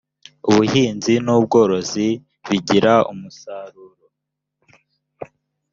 ubuhinzi nubworozi bigira umusaruro.